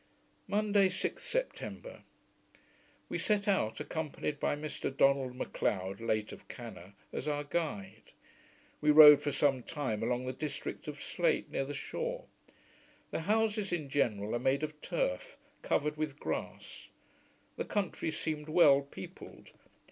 Monday, 6th September We set out, accompanied by Mr Donald M'Leod (late of Canna) as our guide. We rode for some time along the district of Slate, near the shore. The houses in general are made of turf, covered with grass. The country seemed well peopled.